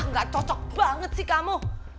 nggak cocok banget sih kamu